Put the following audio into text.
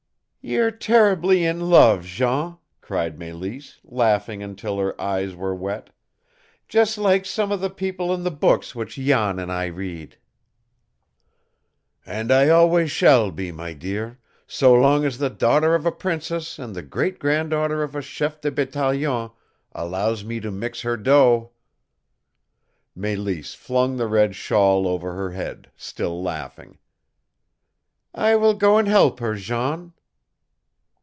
"You're terribly in love, Jean," cried Mélisse, laughing until her eyes were wet; "just like some of the people in the books which Jan and I read." "And I always shall be, my dear, so long as the daughter of a princess and the great granddaughter of a chef de bataillon allows me to mix her dough!" Mélisse flung the red shawl over her head, still laughing. "I will go and help her, Jean."